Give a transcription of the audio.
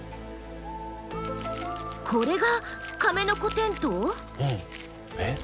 これがカメノコテントウ？えっ？